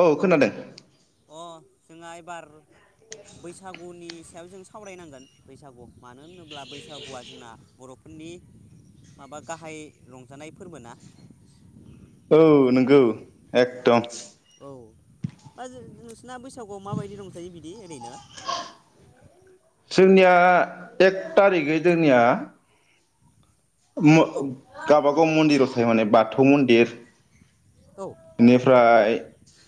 औ खोनादों अ जोङा एबार बैसागुनि सायाव जों सावरायनांगोन बैसागु मानो होनोब्ला बैसागुआ जोंना बरफोरनि माबा गाहाय रंजानाय फोरबो ना औ नोंगौ उम एकदम औ हा नोंसना बैसागुआव माबायदि रंजायो बिदि ओरैनो जोंनिया एक टारिगै जोंनिया म औ गाब [unintelligible] गम मन्दिराव थायो माने बाथौ मन्दिर औ फ्राय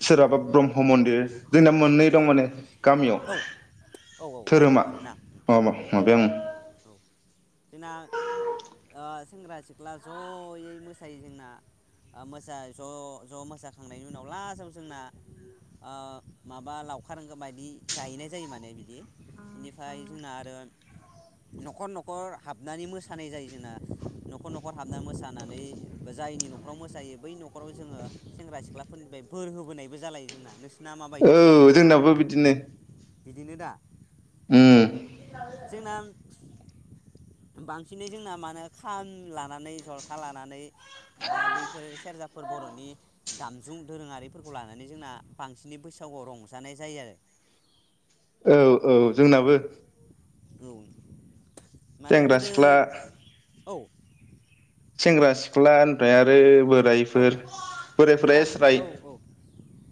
सोरहाबा ब्रह्म मन्दिर जोंना मोननै दं माने औ गामियाव औ गामियाव धोरोमा आरोना मा माबाया ओं औ बेना ओ सेंग्रा सिख्ला जयै मोसायै जोंना मोसा ज ज मोसाखांनायनि उनाव लासाव जोंना ओ माबा लावखार बायदि जाहैनाय जायो माने बिदि बेनिफ्राय जोंना आरो नखर नखर हाबनानै मोसानाय जायो जोंना नखर नखर हाबनानै मोसानानै जायनि नखराव मोसायो बै नखराव जोङो सेंग्रा सिख्लाफोरनिफ्राय बोर होबोनायबो जालायो जोंना नोंसिना माबायदि औ जोंनाबो बिदिनो बिदिनो दा उम जोंना बांसिनै जोंना मा होनो खाम लानानै जथा लानानै बा बैफोर सेरजाफोर बरनि दामजु दोरोङारिफोरखौ लानानै जोंना बांसिनै बैसागुआव रंजानाय जायो आरो औ औ जोंनाबो औ मानो सेंग्रा गोदो सिख्ला औ सेंग्रा सिख्ला मफ्राय आरो बोर औ बायफोर बोरायफोरा [unintelligible]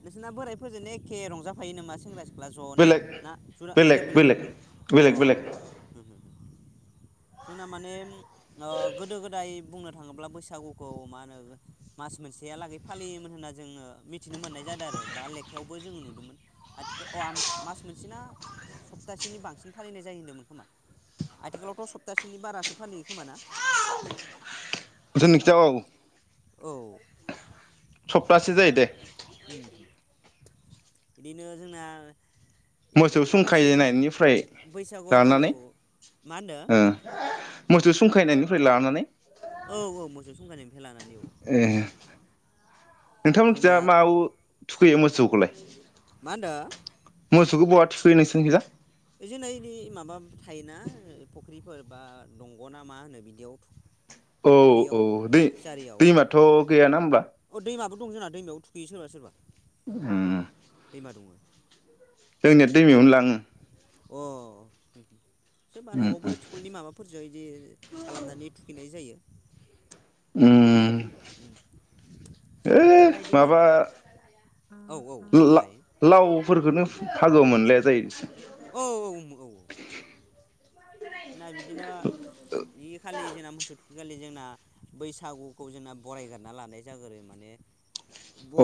नोंसना बोराइफोरजोंनो एखे रंजाफायो नामा सेंग्रा सि सिख्ला जनो बेलेग ना जरा बेलेग बेलेग अ बेलेग बेलेग उम उम जोंना माने ओ गोदो गोदाय बुंनो थाङोब्ला बैसागुखौ मा होनो मास मोनसेयालागै फालियोमोन होनना जोङो मिथिनो मोननाय जादों आरो बा लेखायावबो जोङो नुदोंमोन आथिखाल अ मास मोनसेना सप्तासेनि बांसिन फालिनाय जायो होनदोंमोन खोमा आथिखालावथ सप्तासेनि बारासो फालियो खोमा ना खोमा ना? [unintelligible] औ सप्तासे जायो दे बिदिनो जोंना बिदिनो मोसौ माखासे सुंखायनायनिफ्राय बैसागुआव औ औ लानानै मा होनो ओ मोसौ संखायनायनिफ्राय लानानै औ औ मोसौ संखाजनिफ्राय लानानै औ नोंथांमोनथिया जोंना माव थुखैयो मोसौखौलाय मा होनदो मोसौखौ बहा थिखै नोंसोंखिजा बिदिनोनि [unintelligible] माबा थायोना ओ फुख्रिफोर बा दंगना मा होनो बिदियाव थु औ औ दै-दैमाथ गैयाना होब्ला अ दैमाबो दं जोंना दैमायाव थुखैयो सोरबा सोरबा उम दङो जोंनिया दैमायावनो लाङो अ सोरबा उम नआवबो थिखलनि माबाफोरजों बिदि खालामनानै थुखैनाय जायो उम जोंना ओ इदिबो माबा औ औ बुंलाय ला-लाव फोरखोननो [unintelligible] मोनलाया जायो औ औ औ औ जोंना बिदिनो बे खालि जोंना मोसौ थुखिखालि जोंना। बैसागुखौ जोंना बरायगारना लानाय जागोरो माने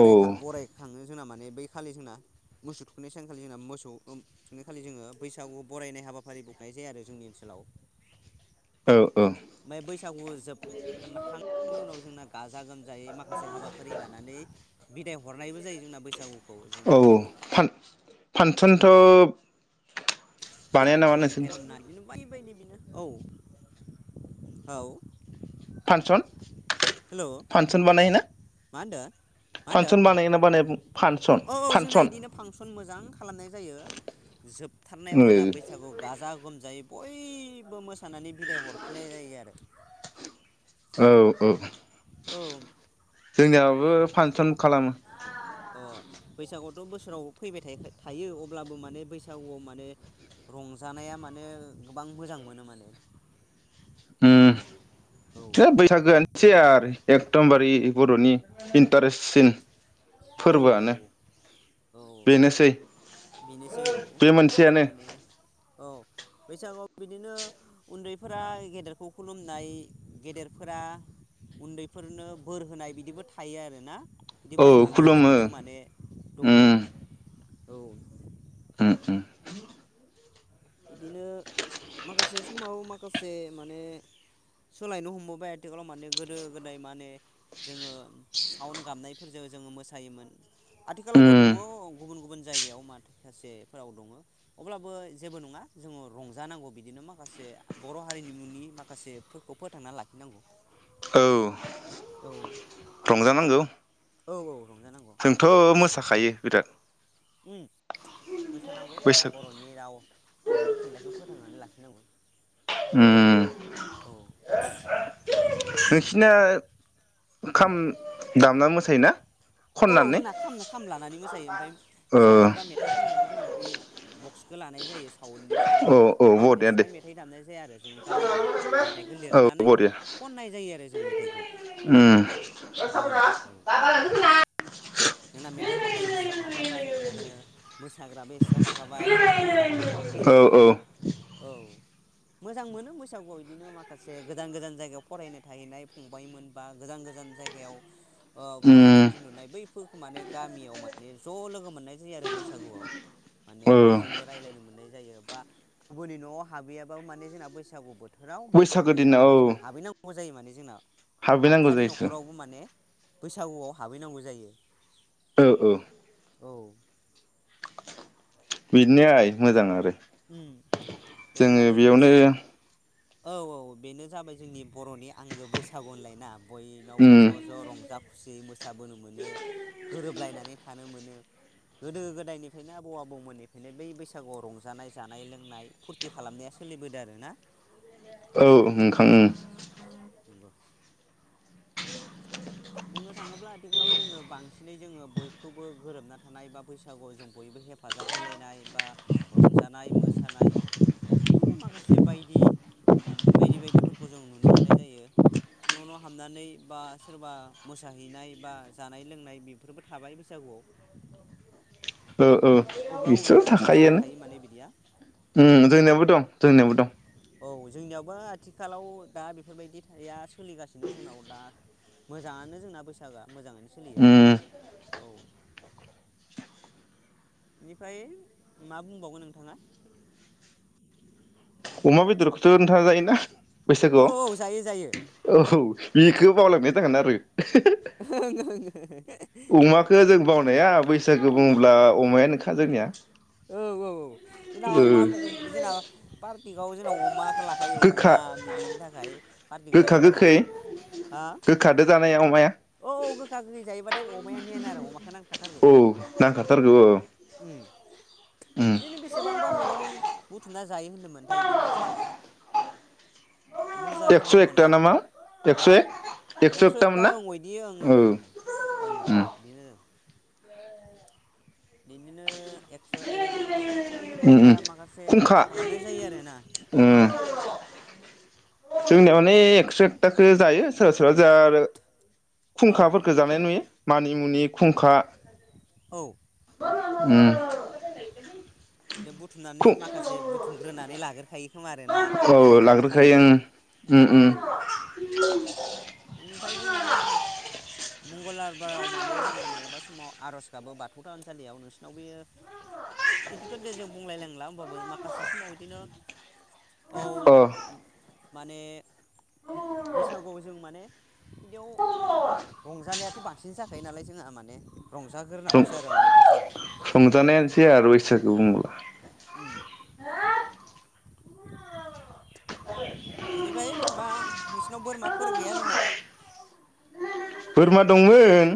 औ बरायखाङो जोंना माने बै खालि जोंना मोसौ थुखैनाय सानखालि जोंना मोसौ ओ थुखैखालि जोङो बैसागु बरायनाय हाबाफारि बखनाय जायो आरो जोंनि सोलाव औ औ ओमफ्राय बैसागु जोबखांनायनि उनाव जोंना गाजा गोमजायै माखासे हाबाफारि लानानै बिदाय हरनायबो जायो जोंना बैसागु औ फान फानसनथ [unintelligible] [unintelligible] बानाया नामा नोंसोरनिथिं बेबायदिनो औ औ फानसन हेल' फानसन बानायो ना मा होनदो मा होनदो बुं फानसन औ औ जोंना फानसन बिदिनो फानसन मोजां खालामनाय जायो जोबथारनायाव जोंना औ बैसागु गाजा गोमजायै बयबो मोसानानै बिदाय हरफिननाय जायो आरो औ औ औ जोंनियावाबो फानसन खालामो अ बैसागुआथ बोसोराव फैबाय थायो था अब्लाबो माने बैसागुआव माने रंजानाया माने गोबां मोजां मोनो माने औ ओम [unintelligible] बैसागोआनो मोनसे आरो एकदमबारि बरनि इन्टारेस्टसिन औ औ फोरबोआनो औ बेनोसै बेनोसै औ बे मोनसेयानो माने औ बैसागोआव बिदिनो उन्दैफोरा गेदेरखौ खुलुमनाय गेदेरफोरा उन्दैफोरनो बोर होनाय बिदिबो थायो आरोना औ बिदिबा आं नुनो खुलुमो मोनदों माने दङो उम औ उम उम बिदिनो माखासे समाव माखासे माने सोलायनो हमबोबाय आथिखालाव माने गोदो गोदाय माने जोङो साउन गाबनायफोरजों जोङो मोसायोमोन आथिखालावबो उम दङ गुबुन गुबुन जायगायाव माथासेफोराव दङ अब्लाबो जेबो नङा जोङो रंजानांगौ बिदिनो माखासे बर हारिनिमुनि माखासेफोरखौ फोथांना लाखिनांगौ औ औ रंजानांगौ औ औ रंजानांगौ जोंथ' मोसाखायो बिराद [inaudible] मोसानांगौ जोंना बैसाग बरनि राव [unintelligible] थुनलाइखौ फोथांनानै लाखिनांगौ ओम औ नोंसिना खाम दामना मोसायोना औ औ खननानै जोंना खाम खाम लानानै मोसायो ओमफ्राय ओ सावउन्ड बा मेथाइ खननाया जोंना ए बक्स लानाय जायो साावउटनिफ्राय जोंना औ औ आवट बरिया दे एस्रा मेथाइ दामनाय जाया आरो जों गावनो मेथाइखौ औ लिरनानै बरिया खननाय जायो आरो जों मेथाइखौ उम गावनो औ जोंना मेथाइ खननाय एक्सट्रा थाखाबाय आरो मोसाग्राबो एक्सट्रा थाखाबाय औ बिदिनो औ औ मोजां मोनो बैसागुआव बिदिनो माखासे गोजान गोजान जायगायाव फरायनो थाहैनाय फंबायमोन बा गोजान गोजान जायगायाव फरायनो उम थिनहुरनाय बै बैफोरखौ माने गामियाव माने ज लोगो मोननाय जायो आरो बैसागुआव माने औ बयजोंबो रायलायनो मोननाय जायो बा गुबुननि नआव हाबैयाबाबो माने जोंना बैसागु बो बोथोराव बैसागो मोसानाय दिनाव बाजिनो जोंना औ हाबहैनांगौ जायो माने जोंना हाबहैनांगौ हाबथारि जायोसो नखरावबो माने बैसागुआव हाबैनांगौ जायो औ औ औ [unintelligible] बिदिनोआय मोजां आरो उम बेनो जोङो माने बेयावनो जोंनि औ औ बेनो जाबाय जोंनि बरनि आंगो बैसागु होनलाय ना बयनावबो उम ज ज रंजा खुसियै मोसाबोनो मोनो गोरोबलायनानै थानो मोनो गोदो गोदायनिफ्रायनो आबौ आबौमोननिफ्रायनो बै बैसागुआव रंजानाय जानाय लोंनाय फुरथि खालामनाया सोलिबोदों आरोना औ नोंखां उम [inaudible] बुंनो थाङोब्ला आथिखालाव जोङो बांसिनै जोङो बयखौबो गोरोबना थानाय बा बैसागुआव जों बयबो हेफाजाब होलायनाय बा रंजानाय मोसानाय बिदिनो माखासे बायदि बायदि बायदिफोरखौ जों नुनो मोननाय जायो न न हाबनानै बा सोरबा मोसाहैनाय बा जानाय लोंनाय बेफोरबो थाबाय बैसागुआव औ औ अबेबा बिसोर अबेबा ओनसोलाव थायो माने बिदिया थाखायोआनो ओम जोंनियाबो दं जोंनियाबो दं औ जोंनियावबो आथिखालाव दा बेफोरबायदि थाया सोलिगासिनो जोंनाव दा मोजाङानो जोंना बैसागोआ मोजाङैनो सोलियो उम औ बेनिफ्राय मा बुंबावगोन नोंथाङा अमा बेदरखौथ नोथाङा जायो ना औ बैसागुआव औ जायो जायो [unintelligible] औ बिखौ बावलांनाय जागोन आरो [unintelligible] अमाया बैसागु बुङोब्ला अमायानोखा जोंनिया औ औ औ जोंना ओ अमा जोंना पार्टिकआव जोंना अमाखो लाखायो गोखा अमा बिदिनि थाखाय पार्टिक गोखा जायोबाथाय गोखै हा गोखादो जानाया अमाया औ औ गोखा गोखै जायोबाथाय अमाया मेन आरो अमाखौ नांखाथारगौ औ नांखाथारगौ औ उम उम बिदिनो बेसेबांबा मेगं बुथुम ना जायो होनदोंमोनथाय इदिनो एकस' बुरजाथारनोथ ना एकथा नामा एकस' हा एक एकस एकथामोन एकथा ना ओं अ दि ओं औ ओं ओं ओं ओं ओं उम बिदिनो ओं बिदिनो एकस एक बिदिनो उम उम बुरजा माखासे खुंखा खालामनाय जायो आरोना जोंनियावनो एकस एकथाखो जायो सोरबा सोरबा जोहा आरो औ खुंखाफोरखौ जानाय नुयो मानिमुनि खुंखा औ [unintelligible] ओम बिदिनो बुथुमनानै माखासे बुथुमग्रोनानै लागोरखायो खोमा आरोना बै औ माबाखालि लाग्रोखायो ओं औ उम बेनिफ्राय जोंना मंगलार बाराव माने जोंना मालाबा समाव आरज गाबो बाथौ थानसालियाव नोंसिनाव बेयो [unintelligible] इदिखौ दे जों बुंलायलांनांला होनोमबाबो माखासे समाव इदिनो औ उम माने बैसागुआव जों माने बिदियाव रंजानायाथ बांसिनसो जाखायो नालाय जोंहा माने रंजागोरनांगौसो अ आरो माने बैसागु रंजानायानोसै [unintelligible] उम बेनिफाय बा नोंसिनाव बोरमाफोर गैया नामा बोरमा दंमोन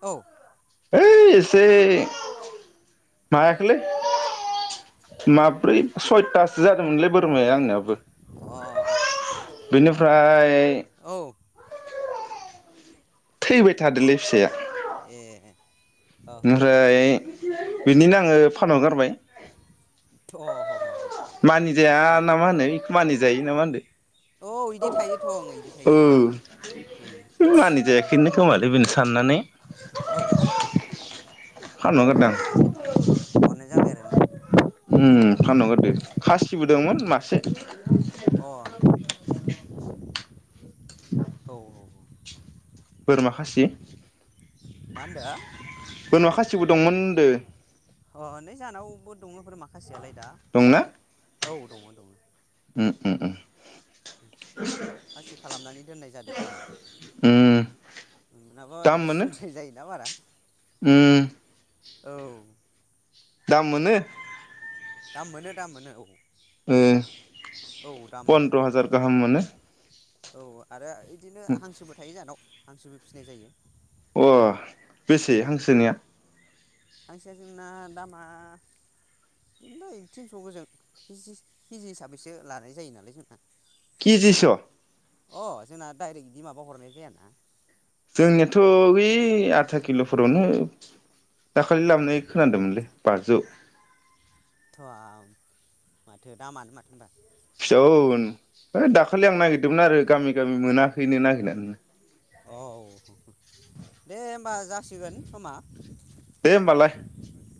औ है एसे मायाखैलै [unintelligible] माब्रै सयथासो जादों ओंलै बोरमाया आंनियाबो [unintelligible] अ बेनो फ्राय औ थैबाय थादोलै फिसाया ए अ ह ह ओमफ्राय [unintelligible] बेनिनो आङो फानहरगारबाय अ ह ह ह मानिजाया ना मा होनो बेखौ मानि जायो नामा होनदो औ इदि थायोथ ओं इदि थायो ओं औ ओं ओं मानि जायाखैनो खोमालै बिनो साननानै औ फानहरगारदां खननै जाबाय आरोना ओम फानहरदो खासिबो अ दंमोन मासे औ [unintelligible] औ औ बोरमा खासि मा होनदो बोरमा खासि सिबो दंमोन होनदो अ नै जानावबो दङ बोरमा खासियालाय दा दंना हान्दि औ दङ दङ उम उम उम खासि खालामनानै दोननाय जादो बोरमाखौ उम नोगोद दाम मोनो दुस्थुद्राय जायोना बारा उम औ दाम मोनो दाम मोनो दाम मोनो औ ओ औ दाम मोनो पन्द्र हाजार गाहाम मानो औ आरो इबिदिनो हांसोबो थायो जोंहानाव हांसोबो फिनाय जायो अ बेसे हांसोनिया हांसोआ जोंना दामा बिदिनलै थिनस गोजों किजि किजि हिसाबैसो लानाय जायो नालाय जोंना खिजिसो अ जोंना दायरेक्ट बिदि माबा हरनाय जायाना जोंनियाथ ओइ आधा किलफोरावनो दाखालि लाबोनाय खोनादोंमोनलै बाजौ थआ माथो दामानो माथो होनबा फिसौ ओ दाखालि आं नागिरदोंमोन आरो गामि गामि मोनाखैनो नागिरनानैनो अ औ दे होमबा जासिगोन समा दे होमबालाय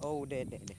औ दे दे दे